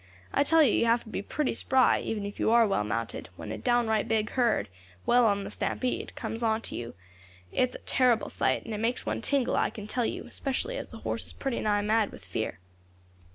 I tell you you have to be pretty spry, even if you are well mounted, when a downright big herd, well on the stampede, comes on you. It's a terrible sight, and it makes one tingle, I can tell you, especially as the horse is pretty nigh mad with fear."